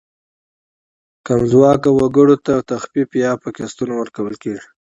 کم ځواکه وګړو ته تخفیف یا په قسطونو ورکول کیږي.